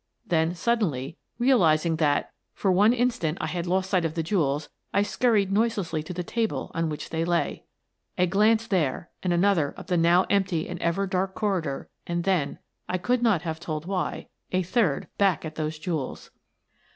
Then, suddenly, realizing that, for one instant, I had lost sight of the jewels, I scurried noiselessly to the table on which they lay. A glance there and another up the now empty 36 Miss Frances, Baird, Detective and ever dark corridor, and then, I could not have told why, a third back at those jewels.